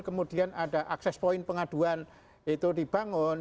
kemudian ada akses poin pengaduan itu dibangun